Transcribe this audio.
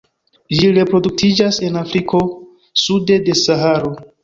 Ĝi reproduktiĝas en Afriko sude de Saharo.